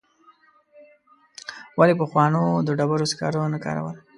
ولي پخوانو د ډبرو سکاره نه کارول؟